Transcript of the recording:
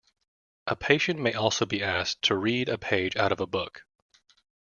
A patient may also be asked to read a page out of a book.